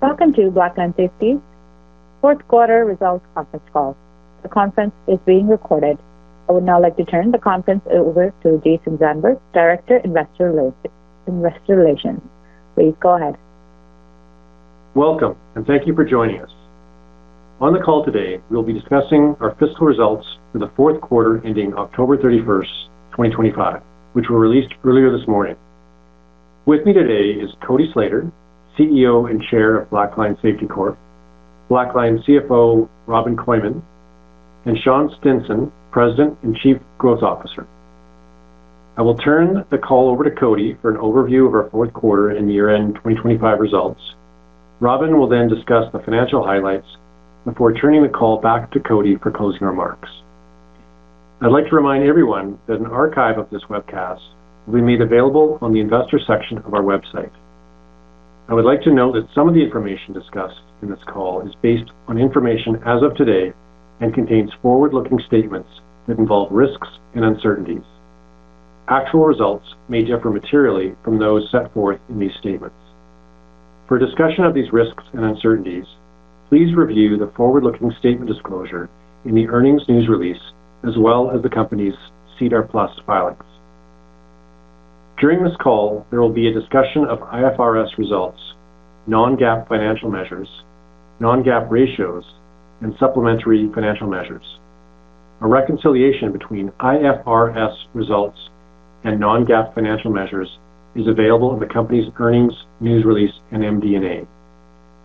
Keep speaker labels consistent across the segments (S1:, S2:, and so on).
S1: Welcome to Blackline Safety's fourth quarter results conference call. The conference is being recorded. I would now like to turn the conference over to Jason Zandberg, Director, Investor Relations. Please go ahead.
S2: Welcome, and thank you for joining us. On the call today, we'll be discussing our fiscal results for the fourth quarter ending October 31st, 2025, which were released earlier this morning. With me today is Cody Slater, CEO and Chair of Blackline Safety Corp, Blackline CFO Robin Kooyman, and Sean Stinson, President and Chief Growth Officer. I will turn the call over to Cody for an overview of our fourth quarter and year-end 2025 results. Robin will then discuss the financial highlights before turning the call back to Cody for closing remarks. I'd like to remind everyone that an archive of this webcast will be made available on the investor section of our website. I would like to note that some of the information discussed in this call is based on information as of today and contains forward-looking statements that involve risks and uncertainties. Actual results may differ materially from those set forth in these statements. For discussion of these risks and uncertainties, please review the forward-looking statement disclosure in the earnings news release as well as the company's SEDAR+ filings. During this call, there will be a discussion of IFRS results, non-GAAP financial measures, non-GAAP ratios, and supplementary financial measures. A reconciliation between IFRS results and non-GAAP financial measures is available in the company's earnings news release and MD&A,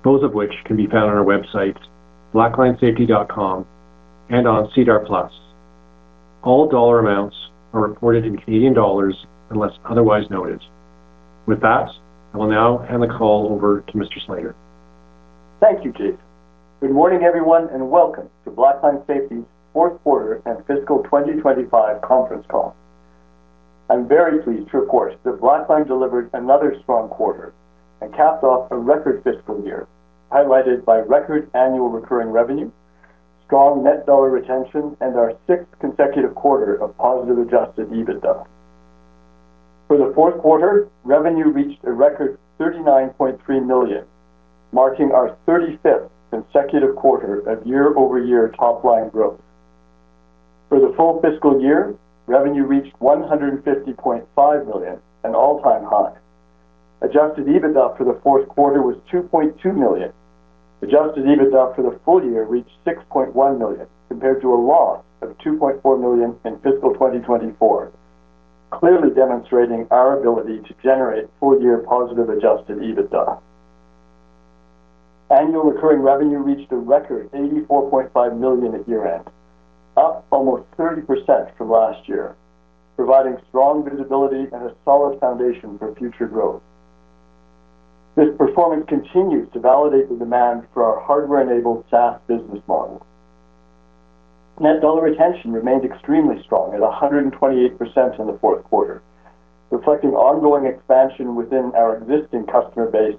S2: both of which can be found on our website, blacklinesafety.com, and on SEDAR+. All dollar amounts are reported in Canadian dollars unless otherwise noted. With that, I will now hand the call over to Mr. Slater.
S3: Thank you, Jason. Good morning, everyone, and welcome to Blackline Safety's fourth quarter and fiscal 2025 conference call. I'm very pleased to report that Blackline delivered another strong quarter and capped off a record fiscal year highlighted by record annual recurring revenue, strong net dollar retention, and our sixth consecutive quarter of positive Adjusted EBITDA. For the fourth quarter, revenue reached a record 39.3 million, marking our 35th consecutive quarter of year-over-year top-line growth. For the full fiscal year, revenue reached 150.5 million, an all-time high. Adjusted EBITDA for the fourth quarter was 2.2 million. Adjusted EBITDA for the full year reached 6.1 million, compared to a loss of 2.4 million in fiscal 2024, clearly demonstrating our ability to generate full-year positive Adjusted EBITDA. Annual recurring revenue reached a record 84.5 million at year-end, up almost 30% from last year, providing strong visibility and a solid foundation for future growth. This performance continues to validate the demand for our hardware-enabled SaaS business model. Net dollar retention remained extremely strong at 128% in the fourth quarter, reflecting ongoing expansion within our existing customer base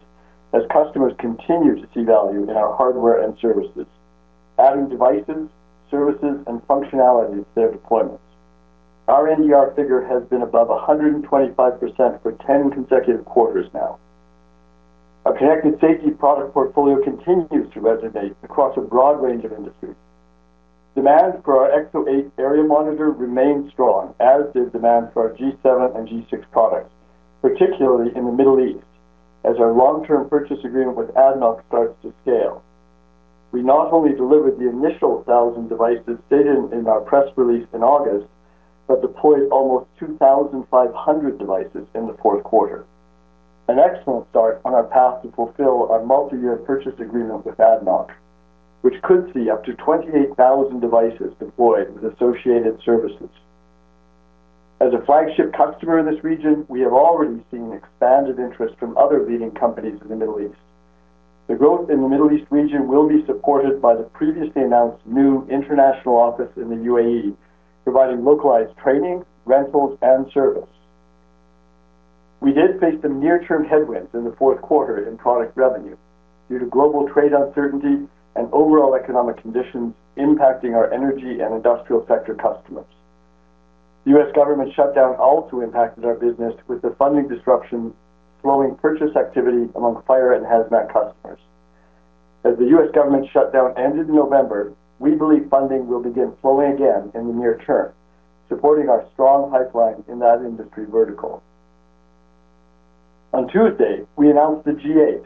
S3: as customers continue to see value in our hardware and services, adding devices, services, and functionality to their deployments. Our NDR figure has been above 125% for 10 consecutive quarters now. Our connected safety product portfolio continues to resonate across a broad range of industries. Demand for our EXO-8 area monitor remains strong, as did demand for our G7 and G6 products, particularly in the Middle East, as our long-term purchase agreement with ADNOC starts to scale. We not only delivered the initial 1,000 devices stated in our press release in August but deployed almost 2,500 devices in the fourth quarter. An excellent start on our path to fulfill our multi-year purchase agreement with ADNOC, which could see up to 28,000 devices deployed with associated services. As a flagship customer in this region, we have already seen expanded interest from other leading companies in the Middle East. The growth in the Middle East region will be supported by the previously announced new international office in the U.A.E, providing localized training, rentals, and service. We did face some near-term headwinds in the fourth quarter in product revenue due to global trade uncertainty and overall economic conditions impacting our energy and industrial sector customers. The U.S. government shutdown also impacted our business with the funding disruption slowing purchase activity among fire and hazmat customers. As the U.S. government shutdown ended in November, we believe funding will begin flowing again in the near term, supporting our strong pipeline in that industry vertical. On Tuesday, we announced the G8,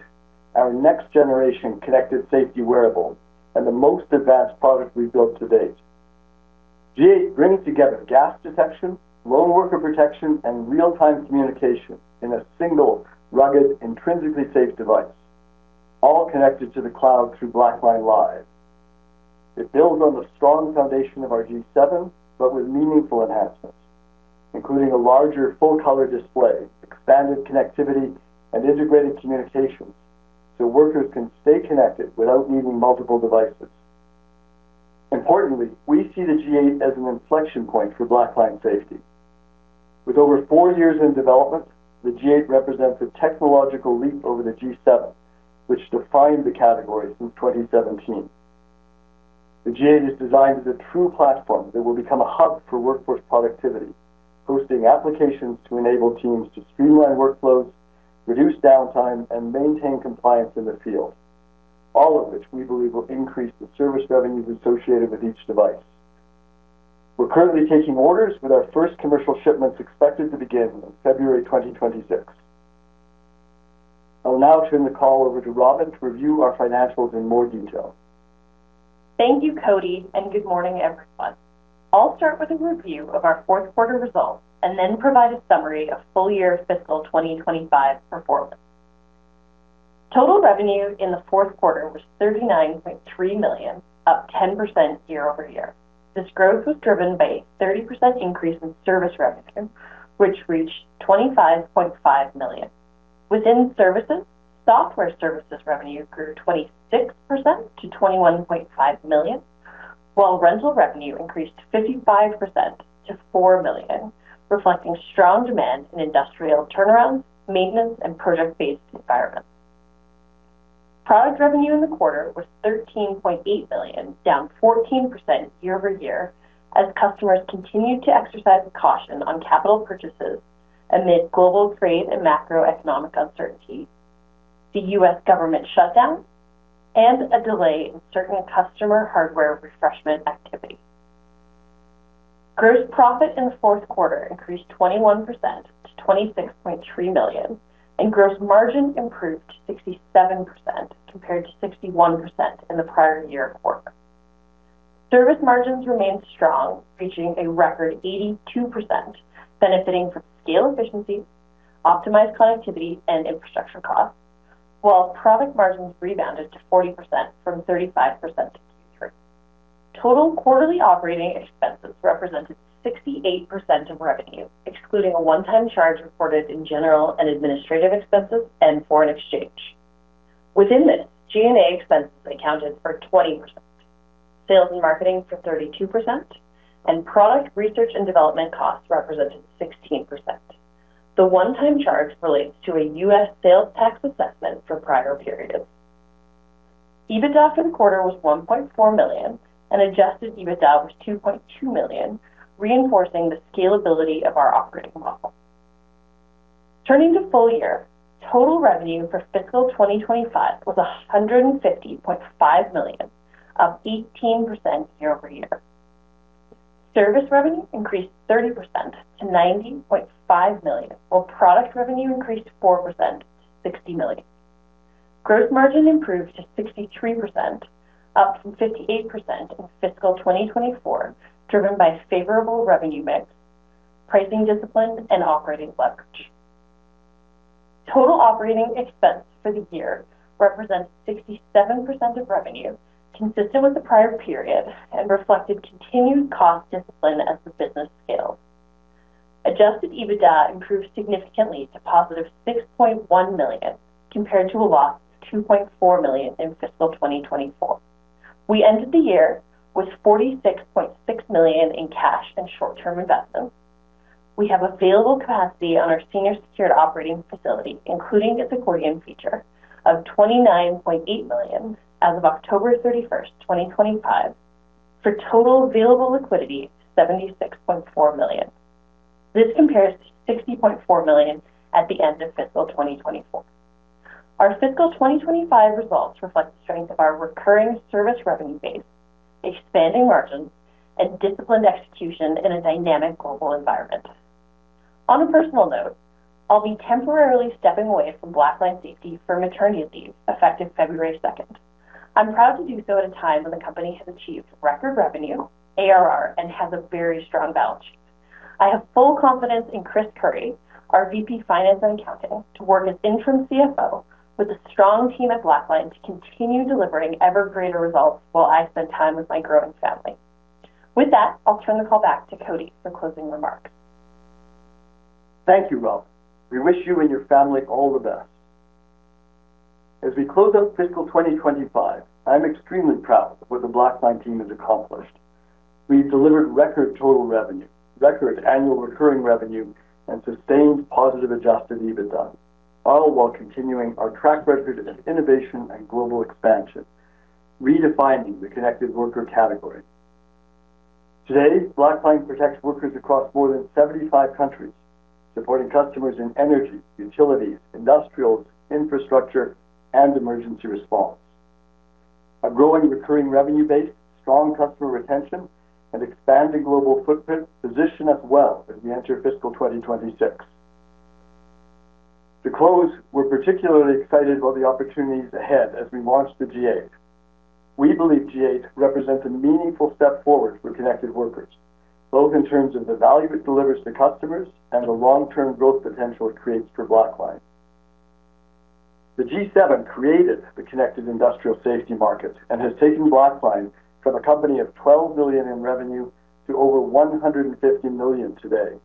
S3: our next-generation connected safety wearable and the most advanced product we've built to date. G8 brings together gas detection, lone worker protection, and real-time communication in a single, rugged, intrinsically safe device, all connected to the cloud through Blackline Live. It builds on the strong foundation of our G7 but with meaningful enhancements, including a larger full-color display, expanded connectivity, and integrated communications so workers can stay connected without needing multiple devices. Importantly, we see the G8 as an inflection point for Blackline Safety. With over four years in development, the G8 represents a technological leap over the G7, which defined the category since 2017. The G8 is designed as a true platform that will become a hub for workforce productivity, hosting applications to enable teams to streamline workflows, reduce downtime, and maintain compliance in the field, all of which we believe will increase the service revenues associated with each device. We're currently taking orders, with our first commercial shipments expected to begin in February 2026. I'll now turn the call over to Robin to review our financials in more detail.
S4: Thank you, Cody, and good morning, everyone. I'll start with a review of our fourth quarter results and then provide a summary of full-year fiscal 2025 performance. Total revenue in the fourth quarter was 39.3 million, up 10% year-over-year. This growth was driven by a 30% increase in service revenue, which reached 25.5 million. Within services, software services revenue grew 26% to 21.5 million, while rental revenue increased 55% to 4 million, reflecting strong demand in industrial turnarounds, maintenance, and project-based environments. Product revenue in the quarter was 13.8 million, down 14% year-over-year, as customers continued to exercise caution on capital purchases amid global trade and macroeconomic uncertainty, the U.S. government shutdown, and a delay in certain customer hardware refreshment activity. Gross profit in the fourth quarter increased 21% to 26.3 million, and gross margin improved to 67% compared to 61% in the prior year quarter. Service margins remained strong, reaching a record 82%, benefiting from scale efficiencies, optimized connectivity, and infrastructure costs, while product margins rebounded to 40% from 35% in Q3. Total quarterly operating expenses represented 68% of revenue, excluding a one-time charge reported in general and administrative expenses and foreign exchange. Within this, G&A expenses accounted for 20%, sales and marketing for 32%, and product research and development costs represented 16%. The one-time charge relates to a U.S. sales tax assessment for prior periods. EBITDA for the quarter was 1.4 million, and adjusted EBITDA was 2.2 million, reinforcing the scalability of our operating model. Turning to full year, total revenue for fiscal 2025 was 150.5 million, up 18% year-over-year. Service revenue increased 30% to 90.5 million, while product revenue increased 4% to 60 million. Gross margin improved to 63%, up from 58% in fiscal 2024, driven by a favorable revenue mix, pricing discipline, and operating leverage. Total operating expense for the year represents 67% of revenue, consistent with the prior period, and reflected continued cost discipline as the business scales. Adjusted EBITDA improved significantly to positive 6.1 million compared to a loss of 2.4 million in fiscal 2024. We ended the year with 46.6 million in cash and short-term investments. We have available capacity on our senior-secured operating facility, including its accordion feature, of 29.8 million as of October 31st, 2025, for total available liquidity of 76.4 million. This compares to 60.4 million at the end of fiscal 2024. Our fiscal 2025 results reflect the strength of our recurring service revenue base, expanding margins, and disciplined execution in a dynamic global environment. On a personal note, I'll be temporarily stepping away from Blackline Safety for maternity leave effective February 2nd. I'm proud to do so at a time when the company has achieved record revenue, ARR, and has a very strong balance sheet. I have full confidence in Chris Curry, our VP Finance and Accounting, to work as interim CFO with the strong team at Blackline to continue delivering ever greater results while I spend time with my growing family. With that, I'll turn the call back to Cody for closing remarks.
S3: Thank you, Robin. We wish you and your family all the best. As we close out fiscal 2025, I'm extremely proud of what the Blackline team has accomplished. We've delivered record total revenue, record annual recurring revenue, and sustained positive adjusted EBITDA, all while continuing our track record of innovation and global expansion, redefining the connected worker category. Today, Blackline protects workers across more than 75 countries, supporting customers in energy, utilities, industrials, infrastructure, and emergency response. Our growing recurring revenue base, strong customer retention, and expanding global footprint position us well as we enter fiscal 2026. To close, we're particularly excited about the opportunities ahead as we launch the G8. We believe G8 represents a meaningful step forward for connected workers, both in terms of the value it delivers to customers and the long-term growth potential it creates for Blackline. The G7 created the connected industrial safety market and has taken Blackline from a company of 12 million in revenue to over 150 million today.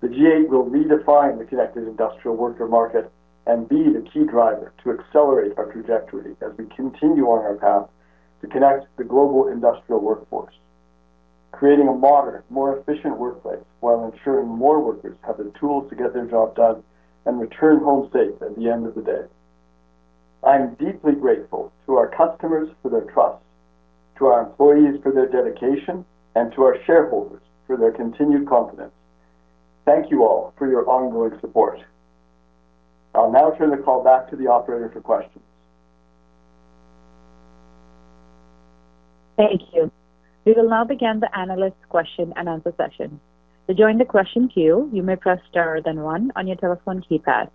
S3: The G8 will redefine the connected industrial worker market and be the key driver to accelerate our trajectory as we continue on our path to connect the global industrial workforce, creating a modern, more efficient workplace while ensuring more workers have the tools to get their job done and return home safe at the end of the day. I'm deeply grateful to our customers for their trust, to our employees for their dedication, and to our shareholders for their continued confidence. Thank you all for your ongoing support. I'll now turn the call back to the operator for questions.
S1: Thank you. We will now begin the analyst question-and-answer session. To join the question queue, you may press star then one on your telephone keypad.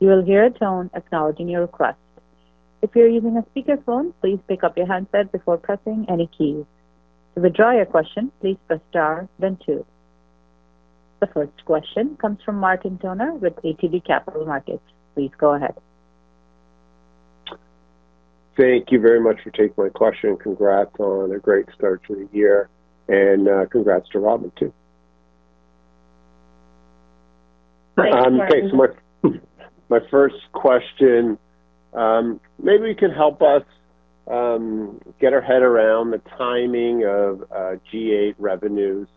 S1: You will hear a tone acknowledging your request. If you're using a speakerphone, please pick up your handset before pressing any keys. To withdraw your question, please press star then two. The first question comes from Martin Toner with ATB Capital Markets. Please go ahead.
S5: Thank you very much for taking my question. Congrats on a great start to the year, and congrats to Robin too.
S4: Thank you.
S5: My first question, maybe you can help us get our head around the timing of G8 revenues.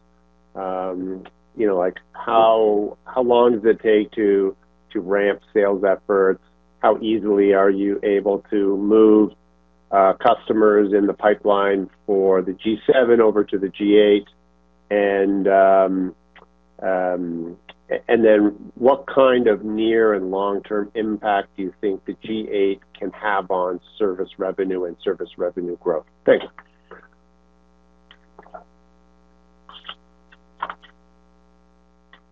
S5: How long does it take to ramp sales efforts? How easily are you able to move customers in the pipeline for the G7 over to the G8? And then what kind of near and long-term impact do you think the G8 can have on service revenue and service revenue growth? Thank you.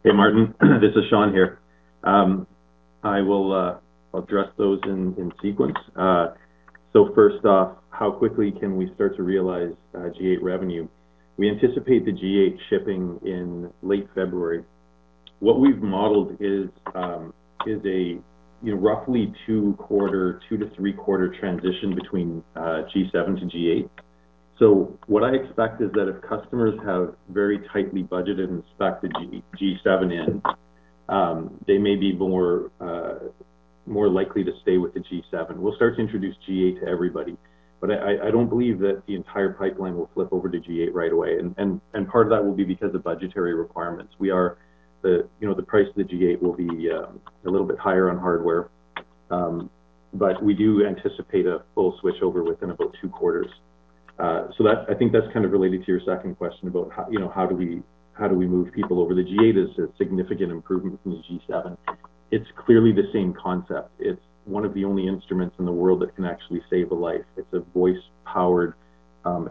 S6: Hey, Martin. This is Sean here. I will address those in sequence. So first off, how quickly can we start to realize G8 revenue? We anticipate the G8 shipping in late February. What we've modeled is a roughly two-quarter, two- to three-quarter transition between G7 to G8. So what I expect is that if customers have very tightly budgeted and spec'd the G7 in, they may be more likely to stay with the G7. We'll start to introduce G8 to everybody, but I don't believe that the entire pipeline will flip over to G8 right away. And part of that will be because of budgetary requirements. The price of the G8 will be a little bit higher on hardware, but we do anticipate a full switch over within about two quarters. So I think that's kind of related to your second question about how do we move people over. The G8 is a significant improvement from the G7. It's clearly the same concept. It's one of the only instruments in the world that can actually save a life. It's a voice-powered,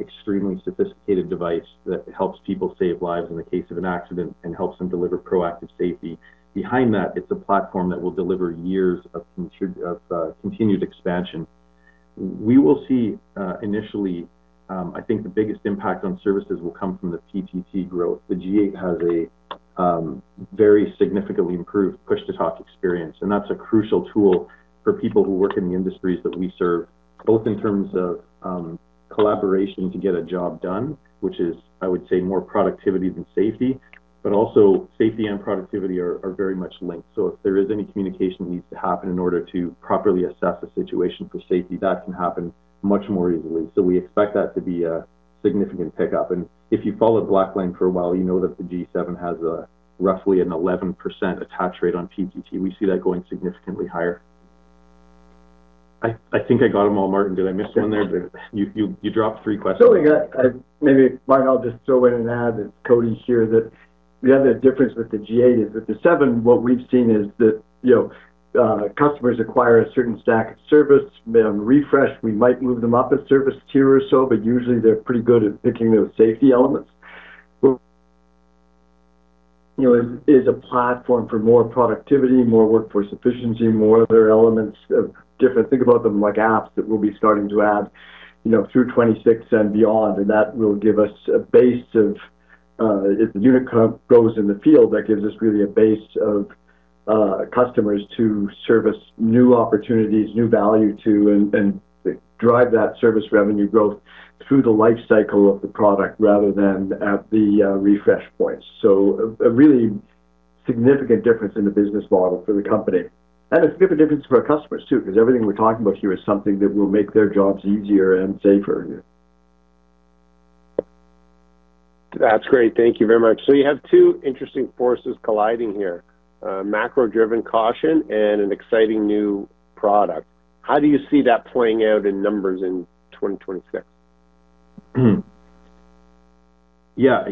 S6: extremely sophisticated device that helps people save lives in the case of an accident and helps them deliver proactive safety. Behind that, it's a platform that will deliver years of continued expansion. We will see initially, I think the biggest impact on services will come from the PTT growth. The G8 has a very significantly improved push-to-talk experience, and that's a crucial tool for people who work in the industries that we serve, both in terms of collaboration to get a job done, which is, I would say, more productivity than safety, but also safety and productivity are very much linked. So if there is any communication that needs to happen in order to properly assess a situation for safety, that can happen much more easily. So we expect that to be a significant pickup. And if you followed Blackline for a while, you know that the G7 has roughly an 11% attach rate on PTT. We see that going significantly higher. I think I got them all, Martin. Did I miss one there? You dropped three questions.
S3: No, I got it. Maybe Martin, I'll just throw in an ad. It's Cody here that the other difference with the G8 is with the G7, what we've seen is that customers acquire a certain stack of service. On refresh, we might move them up a service tier or so, but usually they're pretty good at picking those safety elements. Is a platform for more productivity, more workforce efficiency, more other elements of different think about them like apps that we'll be starting to add through 2026 and beyond, and that will give us a base of if the unit goes in the field, that gives us really a base of customers to service new opportunities, new value to, and drive that service revenue growth through the life cycle of the product rather than at the refresh points. So a really significant difference in the business model for the company and a significant difference for our customers too, because everything we're talking about here is something that will make their jobs easier and safer.
S5: That's great. Thank you very much. So you have two interesting forces colliding here: macro-driven caution and an exciting new product. How do you see that playing out in numbers in 2026?
S6: Yeah.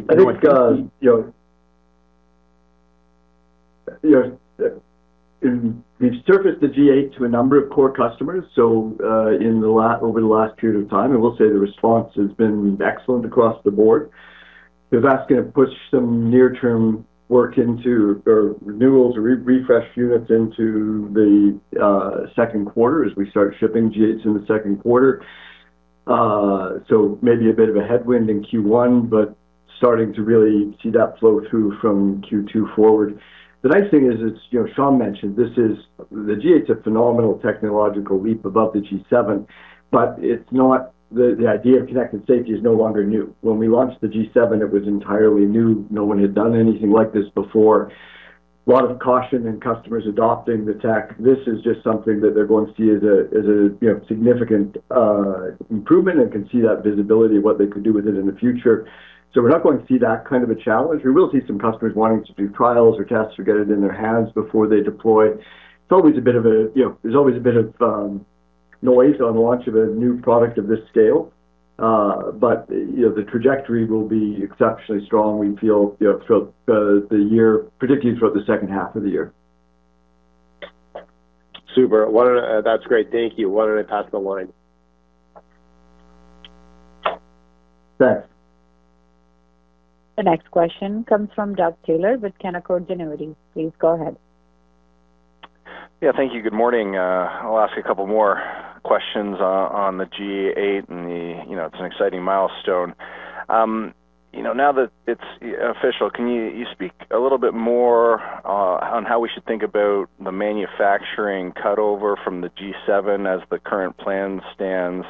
S6: We've surfaced the G8 to a number of core customers. So over the last period of time, and we'll say the response has been excellent across the board. That's going to push some near-term work into renewals or refresh units into the second quarter as we start shipping G8s in the second quarter. So maybe a bit of a headwind in Q1, but starting to really see that flow through from Q2 forward. The nice thing is, as Sean mentioned, the G8's a phenomenal technological leap above the G7, but the idea of connected safety is no longer new. When we launched the G7, it was entirely new. No one had done anything like this before. A lot of caution and customers adopting the tech. This is just something that they're going to see as a significant improvement and can see that visibility of what they could do with it in the future. So we're not going to see that kind of a challenge. We will see some customers wanting to do trials or tests or get it in their hands before they deploy. It's always a bit of noise on the launch of a new product of this scale, but the trajectory will be exceptionally strong. We feel throughout the year, particularly throughout the second half of the year.
S5: Super. That's great. Thank you. Why don't I pass the line?
S3: Thanks.
S1: The next question comes from Doug Taylor with Canaccord Genuity. Please go ahead.
S7: Yeah. Thank you. Good morning. I'll ask a couple more questions on the G8, and it's an exciting milestone. Now that it's official, can you speak a little bit more on how we should think about the manufacturing cutover from the G7 as the current plan stands?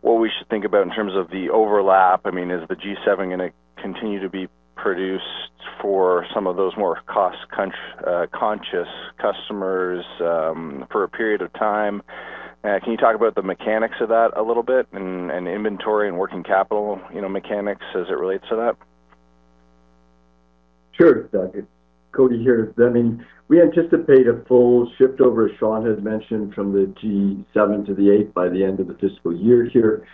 S7: What we should think about in terms of the overlap? I mean, is the G7 going to continue to be produced for some of those more cost-conscious customers for a period of time? Can you talk about the mechanics of that a little bit and inventory and working capital mechanics as it relates to that?
S3: Sure. Cody here. I mean, we anticipate a full shift over, as Sean had mentioned, from the G7 to the G8 by the end of the fiscal year here.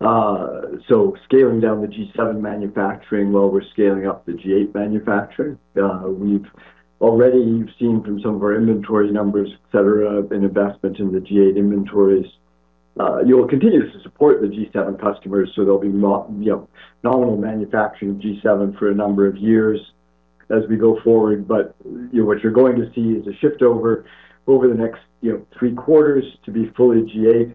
S3: So scaling down the G7 manufacturing while we're scaling up the G8 manufacturing. We've already seen from some of our inventory numbers, etc., an investment in the G8 inventories. You'll continue to support the G7 customers, so there'll be nominal manufacturing G7 for a number of years as we go forward. But what you're going to see is a shift over over the next three quarters to be fully G8.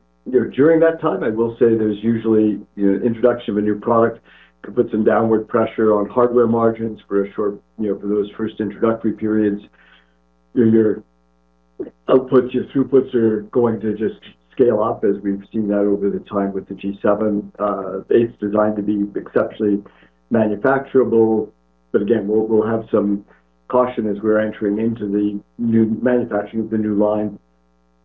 S3: During that time, I will say there's usually introduction of a new product that puts some downward pressure on hardware margins for those first introductory periods. Your outputs, your throughputs are going to just scale up as we've seen that over the time with the G7. The G8's designed to be exceptionally manufacturable, but again, we'll have some caution as we're entering into the new manufacturing of the new line,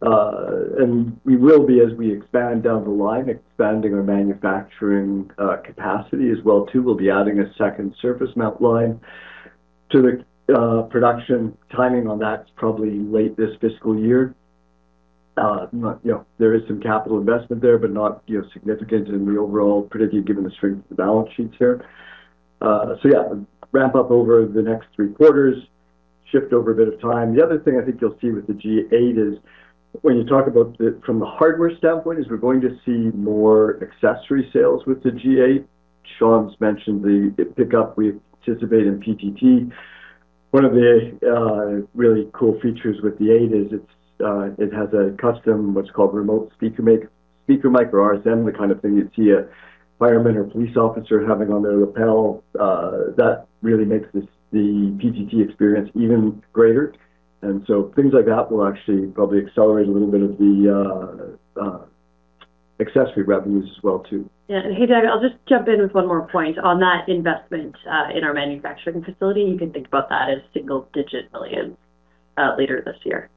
S3: and we will be, as we expand down the line, expanding our manufacturing capacity as well too. We'll be adding a second surface mount line to the production. Timing on that's probably late this fiscal year. There is some capital investment there, but not significant in the overall, particularly given the strength of the balance sheets here, so yeah, ramp up over the next three quarters, shift over a bit of time. The other thing I think you'll see with the G8 is when you talk about from the hardware standpoint, is we're going to see more accessory sales with the G8. Sean's mentioned the pickup. We anticipate in PTT. One of the really cool features with the 8 is it has a custom, what's called remote speaker mic, or RSM, the kind of thing you'd see a fireman or police officer having on their lapel. That really makes the PTT experience even greater, and so things like that will actually probably accelerate a little bit of the accessory revenues as well too.
S4: Yeah. And hey, Doug, I'll just jump in with one more point on that investment in our manufacturing facility. You can think about that as single-digit millions later this year.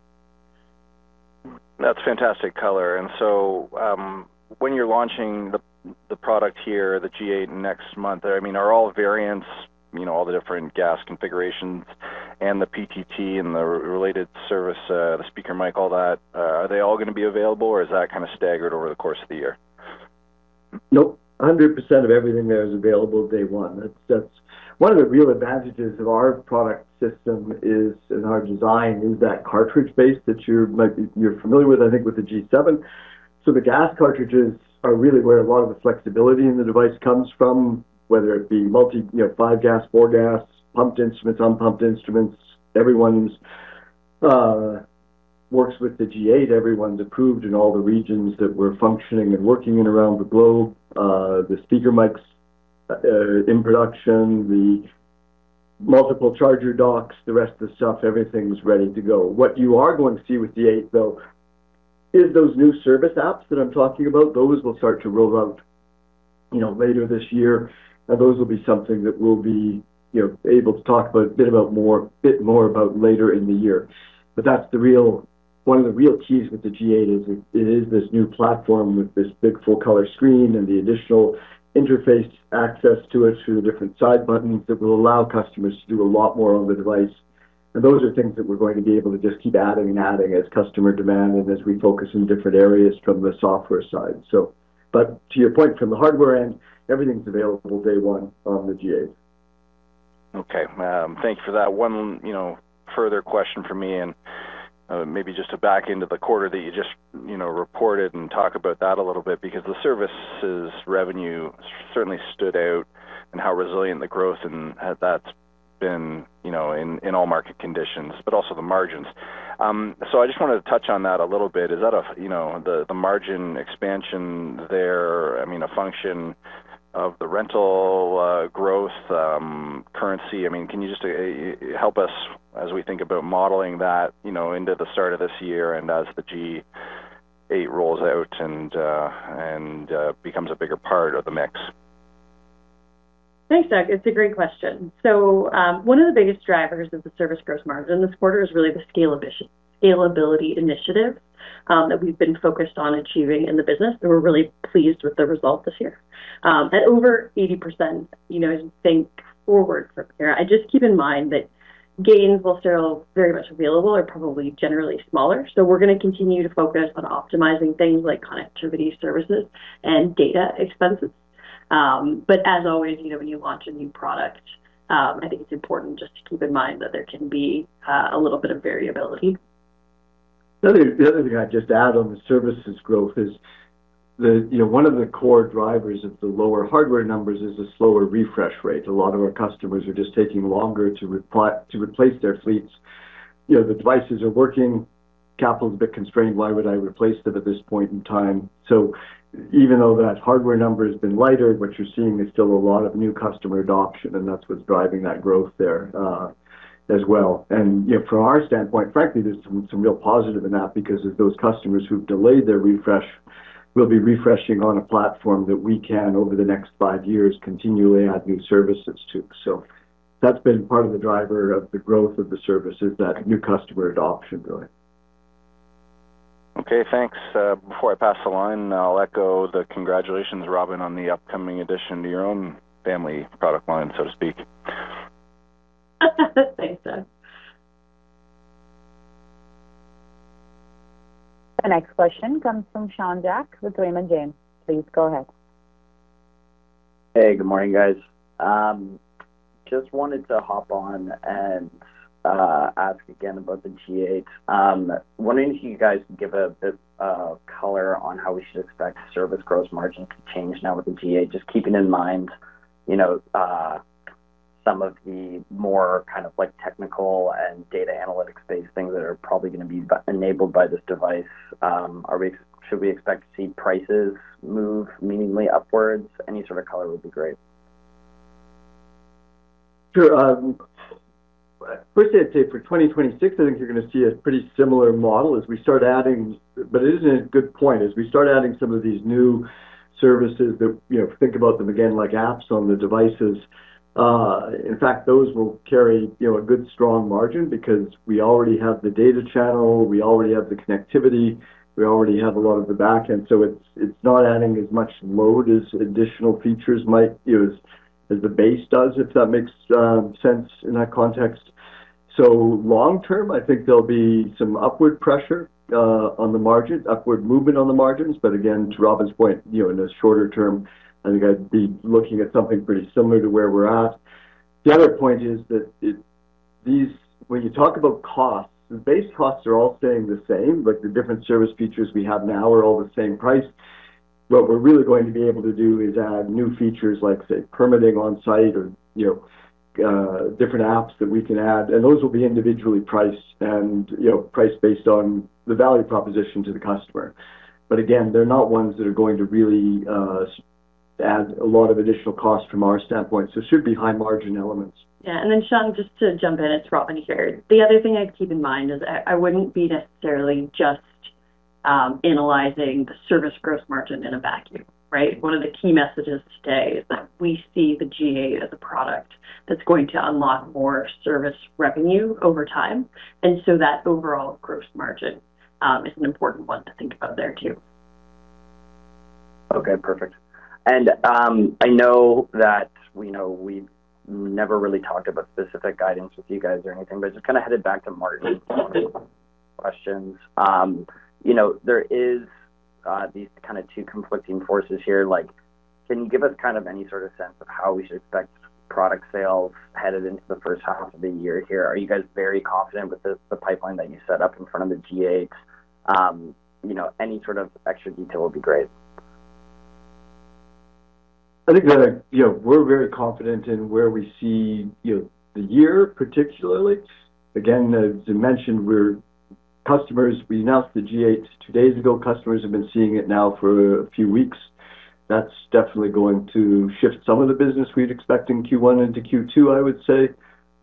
S7: That's fantastic color. And so when you're launching the product here, the G8 next month, I mean, are all variants, all the different gas configurations and the PTT and the related service, the speaker mic, all that, are they all going to be available, or is that kind of staggered over the course of the year?
S3: Nope. 100% of everything there is available day one. One of the real advantages of our product system and our design is that cartridge base that you're familiar with, I think, with the G7. So the gas cartridges are really where a lot of the flexibility in the device comes from, whether it be five gas, four gas, pumped instruments, unpumped instruments. Everyone works with the G8. Everyone's approved in all the regions that we're functioning and working in around the globe. The speaker mics in production, the multiple charger docks, the rest of the stuff, everything's ready to go. What you are going to see with the 8, though, is those new service apps that I'm talking about. Those will start to roll out later this year, and those will be something that we'll be able to talk a bit more about later in the year. But that's one of the real keys with the G8 is this new platform with this big full-color screen and the additional interface access to it through the different side buttons that will allow customers to do a lot more on the device. And those are things that we're going to be able to just keep adding and adding as customer demand and as we focus in different areas from the software side. But to your point, from the hardware end, everything's available day one on the G8.
S7: Okay. Thank you for that. One further question for me, and maybe just to back into the quarter that you just reported and talk about that a little bit, because the services revenue certainly stood out and how resilient the growth and how that's been in all market conditions, but also the margins. So I just wanted to touch on that a little bit. Is that the margin expansion there, I mean, a function of the rental growth currency? I mean, can you just help us as we think about modeling that into the start of this year and as the G8 rolls out and becomes a bigger part of the mix?
S4: Thanks, Doug. It's a great question, so one of the biggest drivers of the service growth margin this quarter is really the scalability initiative that we've been focused on achieving in the business. And we're really pleased with the result this year. At over 80%, as you think forward from here, I just keep in mind that gains will still very much be available but are probably generally smaller, so we're going to continue to focus on optimizing things like connectivity services and data expenses, but as always, when you launch a new product, I think it's important just to keep in mind that there can be a little bit of variability.
S3: The other thing I'd just add on the services growth is one of the core drivers of the lower hardware numbers is a slower refresh rate. A lot of our customers are just taking longer to replace their fleets. The devices are working. Capital's a bit constrained. Why would I replace them at this point in time? So even though that hardware number has been lighter, what you're seeing is still a lot of new customer adoption, and that's what's driving that growth there as well. And from our standpoint, frankly, there's some real positive in that because of those customers who've delayed their refresh, will be refreshing on a platform that we can over the next five years continually add new services to. So that's been part of the driver of the growth of the services, that new customer adoption, really.
S7: Okay. Thanks. Before I pass the line, I'll echo the congratulations, Robin, on the upcoming addition to your own family product line, so to speak.
S1: Thanks, Doug. The next question comes from Sean Jack with Raymond James. Please go ahead.
S8: Hey, good morning, guys. Just wanted to hop on and ask again about the G8. Wondering if you guys can give a bit of color on how we should expect service growth margins to change now with the G8, just keeping in mind some of the more kind of technical and data analytics-based things that are probably going to be enabled by this device. Should we expect to see prices move meaningfully upwards? Any sort of color would be great.
S3: Sure. First, I'd say for 2026, I think you're going to see a pretty similar model as we start adding, but it is a good point, as we start adding some of these new services that think about them again like apps on the devices. In fact, those will carry a good strong margin because we already have the data channel. We already have the connectivity. We already have a lot of the backend. So it's not adding as much load as additional features might as the base does, if that makes sense in that context. So long term, I think there'll be some upward pressure on the margin, upward movement on the margins. But again, to Robin's point, in the shorter term, I think I'd be looking at something pretty similar to where we're at. The other point is that when you talk about costs, the base costs are all staying the same. The different service features we have now are all the same price. What we're really going to be able to do is add new features like, say, permitting on site or different apps that we can add, and those will be individually priced and priced based on the value proposition to the customer, but again, they're not ones that are going to really add a lot of additional cost from our standpoint, so it should be high-margin elements.
S4: Yeah. And then Sean, just to jump in, it's Robin here. The other thing I'd keep in mind is I wouldn't be necessarily just analyzing the service growth margin in a vacuum, right? One of the key messages today is that we see the G8 as a product that's going to unlock more service revenue over time. And so that overall gross margin is an important one to think about there too.
S8: Okay. Perfect. And I know that we've never really talked about specific guidance with you guys or anything, but just kind of headed back to Martin's questions. There are these kind of two conflicting forces here. Can you give us kind of any sort of sense of how we should expect product sales headed into the first half of the year here? Are you guys very confident with the pipeline that you set up in front of the G8? Any sort of extra detail would be great.
S3: I think we're very confident in where we see the year, particularly. Again, as I mentioned, we announced the G8 two days ago. Customers have been seeing it now for a few weeks. That's definitely going to shift some of the business we'd expect in Q1 into Q2, I would say,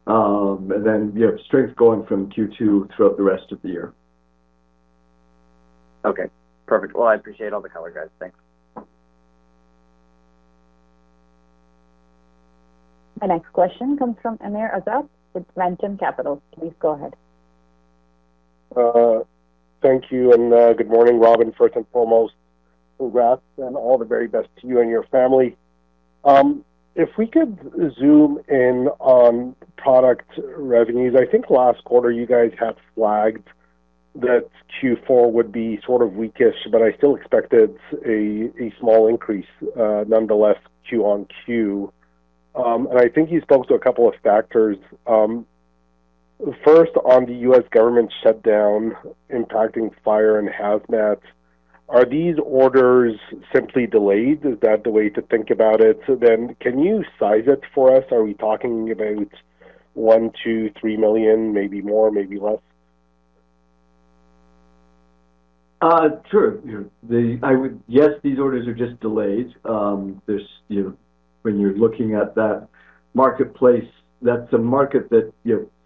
S3: and then strength going from Q2 throughout the rest of the year.
S8: Okay. Perfect. Well, I appreciate all the color, guys. Thanks.
S1: The next question comes from Amr Ezzat with Ventum Capital. Please go ahead.
S9: Thank you. And good morning, Robin, first and foremost, with our best wishes and all the very best to you and your family. If we could zoom in on product revenues, I think last quarter you guys had flagged that Q4 would be sort of weakish, but I still expected a small increase, nonetheless, Q-on-Q. And I think you spoke to a couple of factors. First, on the U.S. government shutdown impacting fire and hazmats, are these orders simply delayed? Is that the way to think about it? Then can you size it for us? Are we talking about one, two, three million, maybe more, maybe less?
S3: Sure. Yes, these orders are just delayed. When you're looking at that marketplace, that's a market that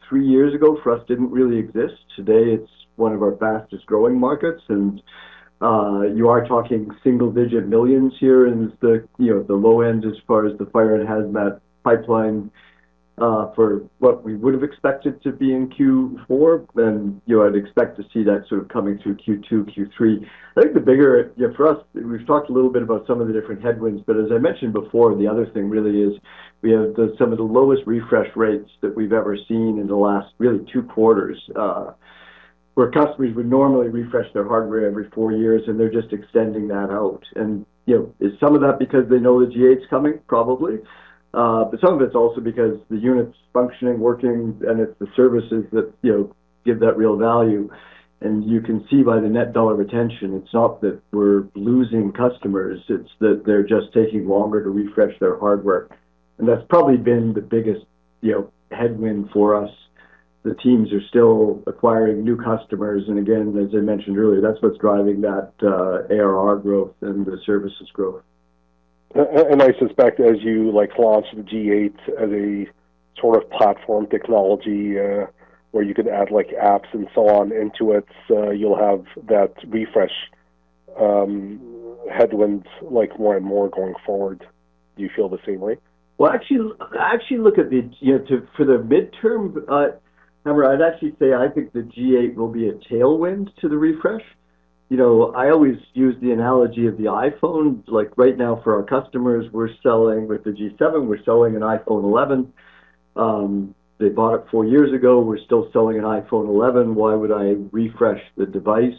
S3: three years ago, for us, didn't really exist. Today, it's one of our fastest growing markets. And you are talking single-digit millions here in the low end as far as the fire and hazmat pipeline for what we would have expected to be in Q4. And I'd expect to see that sort of coming through Q2, Q3. I think the bigger for us, we've talked a little bit about some of the different headwinds. But as I mentioned before, the other thing really is we have some of the lowest refresh rates that we've ever seen in the last really two quarters, where customers would normally refresh their hardware every four years, and they're just extending that out. And is some of that because they know the G8's coming? Probably. But some of it's also because the unit's functioning, working, and it's the services that give that real value. And you can see by the net dollar retention, it's not that we're losing customers. It's that they're just taking longer to refresh their hardware. And that's probably been the biggest headwind for us. The teams are still acquiring new customers. And again, as I mentioned earlier, that's what's driving that ARR growth and the services growth.
S9: I suspect as you launch the G8 as a sort of platform technology where you can add apps and so on into it, you'll have that refresh headwinds more and more going forward. Do you feel the same way?
S3: Actually, I actually look at it for the midterm. I'd actually say I think the G8 will be a tailwind to the refresh. I always use the analogy of the iPhone. Right now, for our customers, we're selling with the G7, we're selling an iPhone 11. They bought it four years ago. We're still selling an iPhone 11. Why would I refresh the device?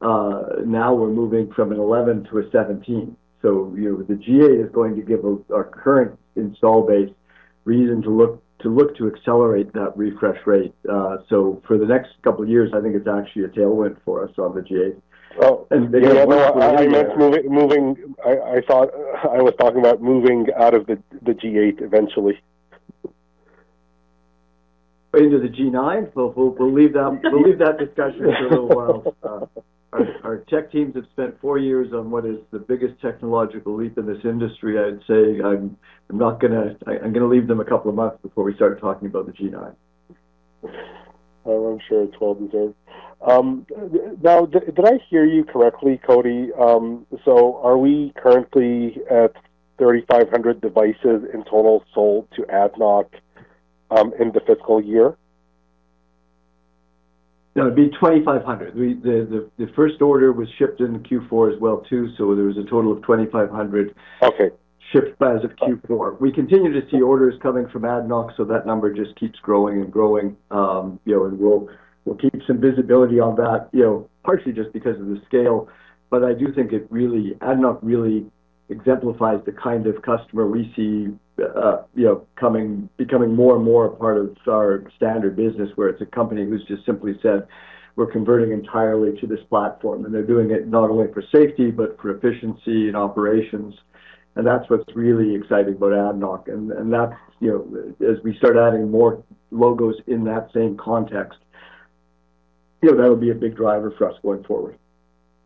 S3: Now we're moving from an 11 to a 17, so the G8 is going to give our current installed base reason to look to accelerate that refresh rate, so for the next couple of years, I think it's actually a tailwind for us on the G8.
S9: Oh, yeah. I thought I was talking about moving out of the G8 eventually.
S3: Into the G9? We'll leave that discussion for a little while. Our tech teams have spent four years on what is the biggest technological leap in this industry, I'd say. I'm going to leave them a couple of months before we start talking about the G9.
S9: I'm sure it's well deserved. Now, did I hear you correctly, Cody? So are we currently at 3,500 devices in total sold to ADNOC in the fiscal year?
S3: That would be 2,500. The first order was shipped in Q4 as well too. So there was a total of 2,500 shipped as of Q4. We continue to see orders coming from ADNOC, so that number just keeps growing and growing, and we'll keep some visibility on that, partially just because of the scale. But I do think ADNOC really exemplifies the kind of customer we see becoming more and more a part of our standard business, where it's a company who's just simply said, "We're converting entirely to this platform," and they're doing it not only for safety, but for efficiency and operations. And that's what's really exciting about ADNOC, and as we start adding more logos in that same context, that would be a big driver for us going forward.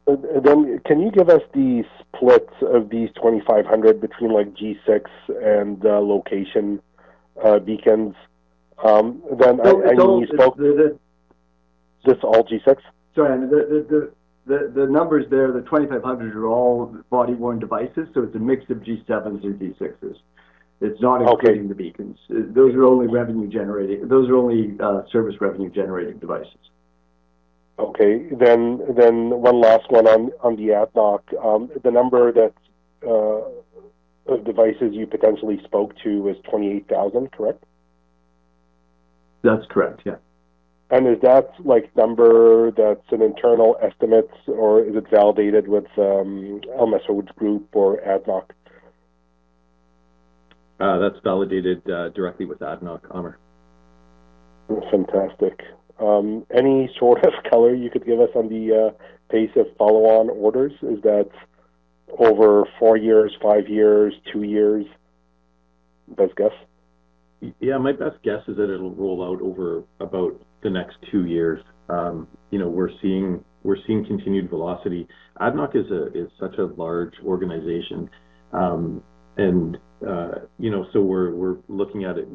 S9: And then can you give us the split of these 2,500 between G6 and location beacons? Then I know you spoke.
S3: So all G6?
S9: Sorry. The numbers there, the 2,500 are all body-worn devices. So it's a mix of G7s and G6s. It's not including the beacons. Those are only revenue-generating. Those are only service revenue-generating devices. Okay. Then one last one on the ADNOC. The number of devices you potentially spoke to was 28,000, correct?
S3: That's correct. Yeah.
S9: And is that number, that's an internal estimate, or is it validated with Al Masaood or ADNOC?
S6: That's validated directly with ADNOC, Amr.
S9: Fantastic. Any sort of color you could give us on the pace of follow-on orders? Is that over four years, five years, two years? Best guess?
S6: Yeah. My best guess is that it'll roll out over about the next two years. We're seeing continued velocity. ADNOC is such a large organization. And so we're looking at it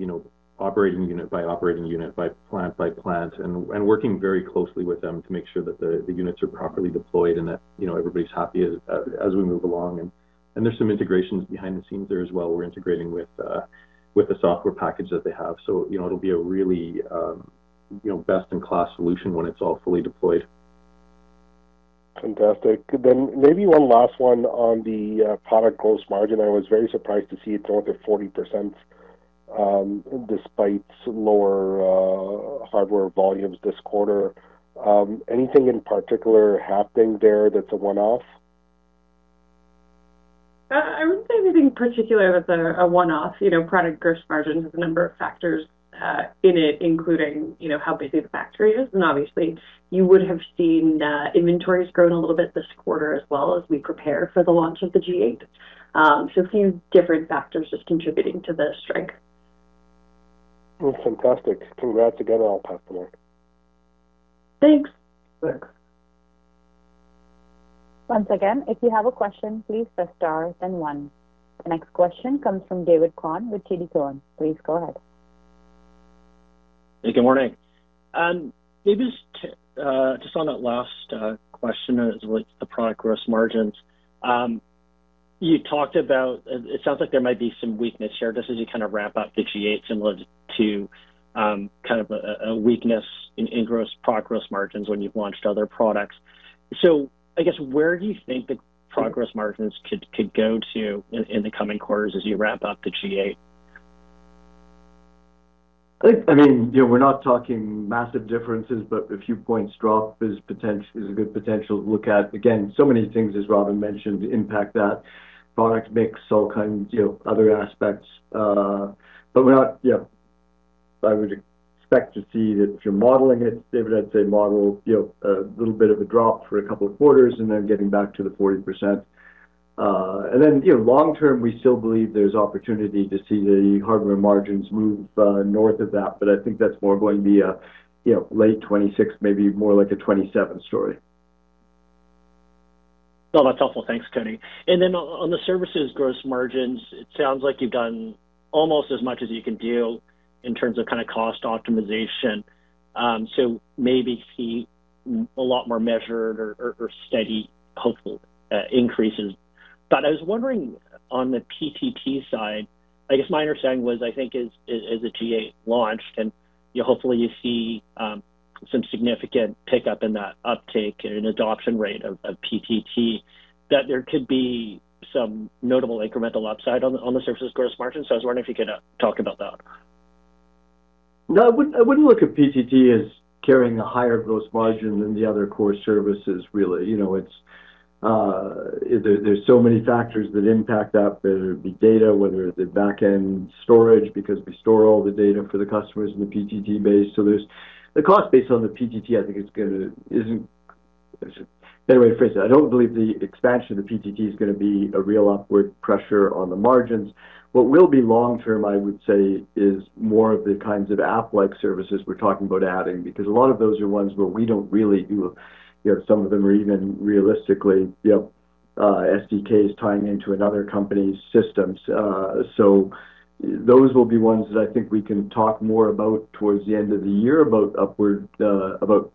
S6: operating unit by operating unit, by plant by plant, and working very closely with them to make sure that the units are properly deployed and that everybody's happy as we move along. And there's some integrations behind the scenes there as well. We're integrating with the software package that they have. So it'll be a really best-in-class solution when it's all fully deployed.
S9: Fantastic. Then maybe one last one on the product gross margin. I was very surprised to see it's over 40% despite lower hardware volumes this quarter. Anything in particular happening there that's a one-off?
S4: I wouldn't say anything in particular that's a one-off. Product gross margin has a number of factors in it, including how busy the factory is. And obviously, you would have seen inventories growing a little bit this quarter as well as we prepare for the launch of the G8. So a few different factors just contributing to the strength.
S9: Fantastic. Congrats again on all the customers.
S4: Thanks.
S3: Thanks.
S1: Once again, if you have a question, please press star then one. The next question comes from David Kwan with TD Cowen. Please go ahead.
S10: Hey, good morning. David, just on that last question as it relates to the product gross margins, you talked about it sounds like there might be some weakness here. Just as you kind of wrap up the G8, similar to kind of a weakness in product gross margins when you've launched other products. So I guess where do you think the product gross margins could go to in the coming quarters as you wrap up the G8?
S3: I mean, we're not talking massive differences, but a few points drop is a good potential to look at. Again, so many things, as Robin mentioned, impact that product mix, all kinds of other aspects. But yeah, I would expect to see that if you're modeling it, David. I'd say model a little bit of a drop for a couple of quarters and then getting back to the 40%. And then long term, we still believe there's opportunity to see the hardware margins move north of that. But I think that's more going to be a late 2026, maybe more like a 2027 story.
S10: Oh, that's helpful. Thanks, Cody. And then on the services gross margins, it sounds like you've done almost as much as you can do in terms of kind of cost optimization. So maybe see a lot more measured or steady hopeful increases. But I was wondering on the PTT side, I guess my understanding was, I think as the G8 launched, and hopefully you see some significant pickup in that uptake and adoption rate of PTT, that there could be some notable incremental upside on the services gross margin. So I was wondering if you could talk about that.
S3: No, I wouldn't look at PTT as carrying a higher gross margin than the other core services, really. There's so many factors that impact that, whether it be data, whether it's the backend storage, because we store all the data for the customers in the PTT base. So the cost based on the PTT. I don't believe the expansion of the PTT is going to be a real upward pressure on the margins. What will be long term, I would say, is more of the kinds of app-like services we're talking about adding, because a lot of those are ones where we don't really, some of them are even realistically SDKs tying into another company's systems. So those will be ones that I think we can talk more about towards the end of the year about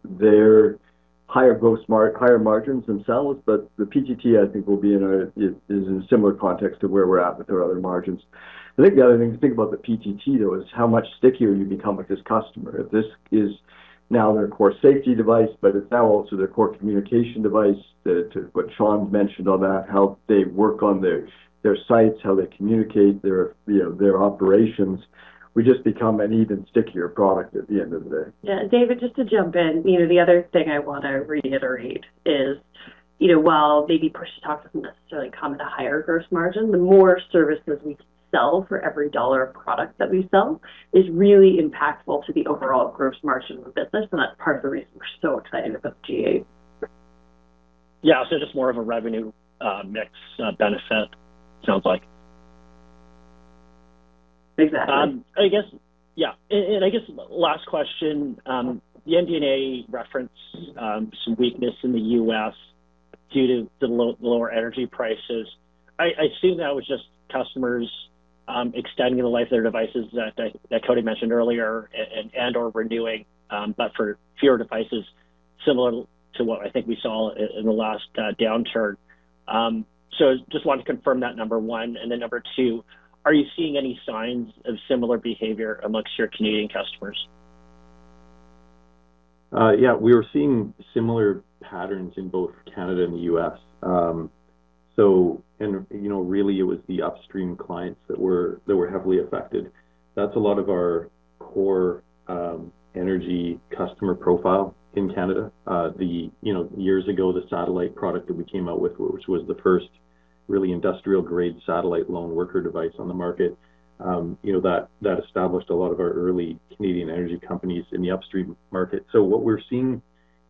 S3: their higher gross margins themselves. The PTT, I think, will be in a similar context to where we're at with their other margins. I think the other thing to think about the PTT, though, is how much stickier you become with this customer. This is now their core safety device, but it's now also their core communication device. What Sean mentioned on that, how they work on their sites, how they communicate their operations, we just become an even stickier product at the end of the day.
S4: Yeah. David, just to jump in, the other thing I want to reiterate is, while maybe push to talk doesn't necessarily come at a higher gross margin, the more services we sell for every dollar of product that we sell is really impactful to the overall gross margin of the business. And that's part of the reason we're so excited about the G8.
S10: Yeah. So just more of a revenue mix benefit, sounds like.
S4: Exactly.
S10: I guess, yeah. And I guess last question, the MD&A referenced some weakness in the U.S. due to the lower energy prices. I assume that was just customers extending the life of their devices that Cody mentioned earlier and/or renewing, but for fewer devices, similar to what I think we saw in the last downturn. So just wanted to confirm that, number one. And then number two, are you seeing any signs of similar behavior amongst your Canadian customers?
S6: Yeah. We were seeing similar patterns in both Canada and the U.S. And really, it was the upstream clients that were heavily affected. That's a lot of our core energy customer profile in Canada. Years ago, the satellite product that we came out with, which was the first really industrial-grade satellite lone worker device on the market, that established a lot of our early Canadian energy companies in the upstream market. So what we're seeing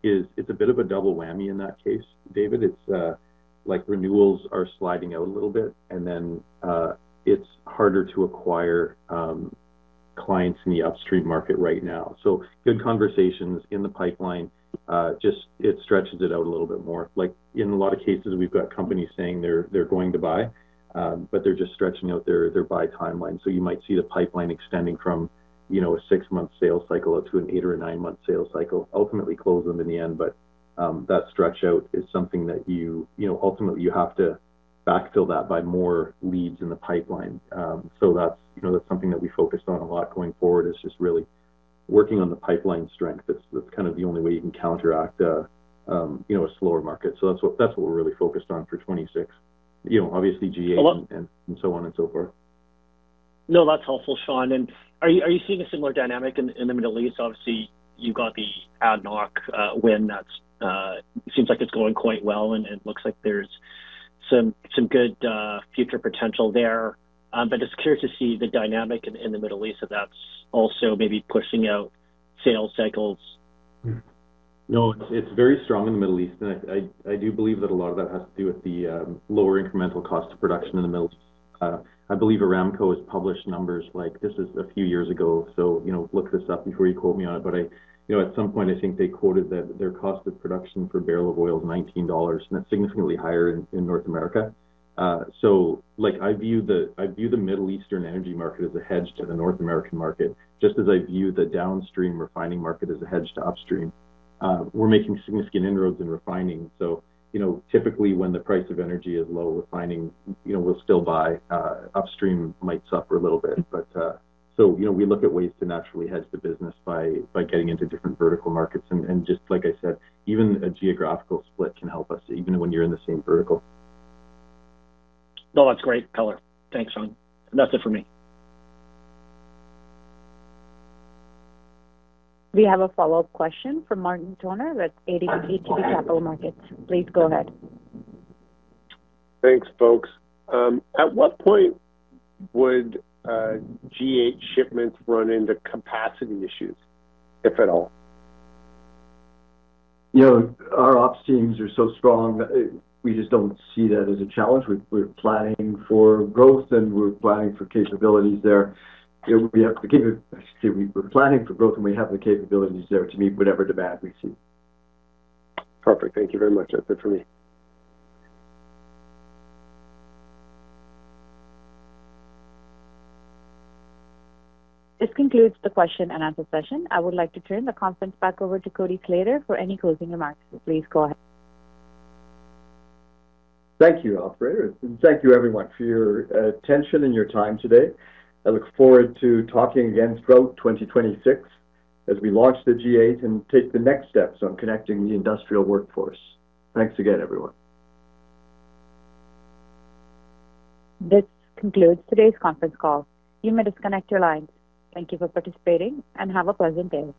S6: is it's a bit of a double whammy in that case, David. It's like renewals are sliding out a little bit, and then it's harder to acquire clients in the upstream market right now. So good conversations in the pipeline, just it stretches it out a little bit more. In a lot of cases, we've got companies saying they're going to buy, but they're just stretching out their buy timeline. So you might see the pipeline extending from a six-month sales cycle up to an eight- or a nine-month sales cycle, ultimately close them in the end. But that stretch out is something that ultimately you have to backfill that by more leads in the pipeline. So that's something that we focused on a lot going forward, is just really working on the pipeline strength. That's kind of the only way you can counteract a slower market. So that's what we're really focused on for 2026, obviously G8 and so on and so forth.
S10: No, that's helpful, Sean, and are you seeing a similar dynamic in the Middle East? Obviously, you've got the ADNOC win that seems like it's going quite well and looks like there's some good future potential there. But just curious to see the dynamic in the Middle East if that's also maybe pushing out sales cycles.
S6: No, it's very strong in the Middle East. And I do believe that a lot of that has to do with the lower incremental cost of production in the Middle East. I believe Aramco has published numbers like this is a few years ago. So look this up before you quote me on it. But at some point, I think they quoted that their cost of production for barrel of oil is $19, and that's significantly higher in North America. So I view the Middle Eastern energy market as a hedge to the North American market, just as I view the downstream refining market as a hedge to upstream. We're making significant inroads in refining. So typically, when the price of energy is low, refining will still buy. Upstream might suffer a little bit. So we look at ways to naturally hedge the business by getting into different vertical markets. Just like I said, even a geographical split can help us, even when you're in the same vertical.
S10: No, that's great, colour. Thanks, Sean. That's it for me.
S1: We have a follow-up question from Martin Toner at ATB Capital Markets. Please go ahead.
S5: Thanks, folks. At what point would G8 shipments run into capacity issues, if at all?
S3: Our ops teams are so strong that we just don't see that as a challenge. We're planning for growth, and we're planning for growth, and we have the capabilities there to meet whatever demand we see.
S5: Perfect. Thank you very much. That's it for me.
S1: This concludes the question and answer session. I would like to turn the conference back over to Cody Slater for any closing remarks. Please go ahead.
S3: Thank you, Alfredo. And thank you, everyone, for your attention and your time today. I look forward to talking again throughout 2026 as we launch the G8 and take the next steps on connecting the industrial workforce. Thanks again, everyone.
S1: This concludes today's conference call. You may disconnect your lines. Thank you for participating and have a pleasant day.